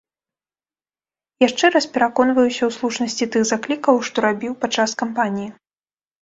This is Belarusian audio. Яшчэ раз пераконваюся ў слушнасці тых заклікаў, што рабіў падчас кампаніі.